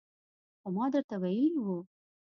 خو ما درته ویلي وو